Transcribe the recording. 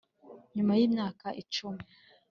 nyuma y'imyaka icumi,